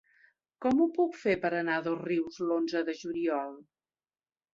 Com ho puc fer per anar a Dosrius l'onze de juliol?